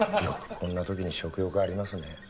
よくこんな時に食欲ありますね。